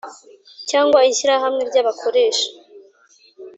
Cyangwa ishyirahamwe ry abakoresha